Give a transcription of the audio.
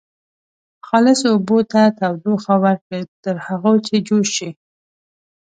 خالصو اوبو ته تودوخه ورکړئ تر هغو چې جوش شي.